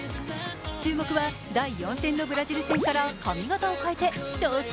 注目は、第４戦のブラジル戦から髪形を変えて調子